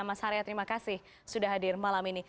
mas harya terima kasih sudah hadir malam ini